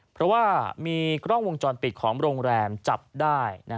เพราะว่ามีกล้องวงจรปิดของโรงแรมจับได้